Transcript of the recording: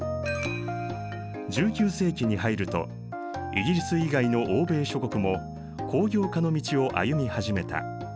１９世紀に入るとイギリス以外の欧米諸国も工業化の道を歩み始めた。